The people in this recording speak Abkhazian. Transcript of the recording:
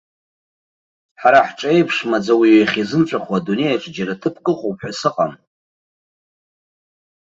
Ҳара ҳҿы еиԥш маӡа уаҩы иахьизымҵәахуа адунеи аҿы џьара ҭыԥк ыҟоуп ҳәа сыҟам.